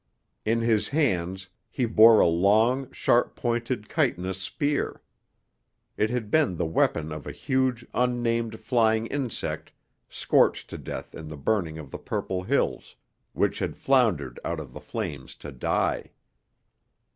In his hands he bore a long, sharp pointed chitinous spear. It had been the weapon of a huge, unnamed flying insect scorched to death in the burning of the purple hills, which had floundered out of the flames to die.